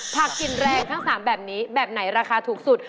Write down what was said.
ผักกลิ่นแรงทั้ง๓แบบนี้แบบไหนราคาถูกสุด